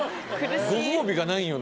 ご褒美がないんよな